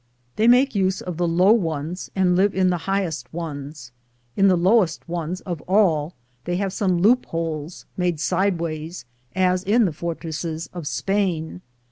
They make use of the low ones and live in the highest ones. In the lowest ones of all they have some loopholes made sideways, as in the fortresses of Spain.